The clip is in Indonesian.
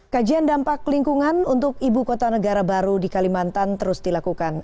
kajian dampak lingkungan untuk ibu kota negara baru di kalimantan terus dilakukan